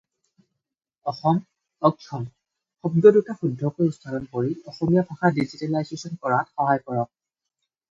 "অসম, অক্ষম" শব্দ-দুটা শুদ্ধকৈ উচ্চাৰণ কৰি, অসমীয়া ভাষা ডিজিটেলাইজেচন কৰাত সহায় কৰক।